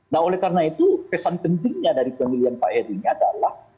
nah oleh karena itu kesan pentingnya dari pemilihan pak edi ini adalah